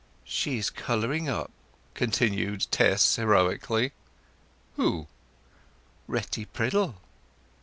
"She is colouring up," continued Tess heroically. "Who?" "Retty Priddle."